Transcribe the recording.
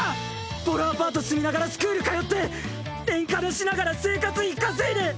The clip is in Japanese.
ボロアパート住みながらスクール通ってレンカノしながら生活費稼いで。